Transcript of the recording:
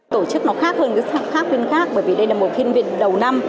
tổ chức nó khác hơn các phiên khác bởi vì đây là một phiên viện đầu năm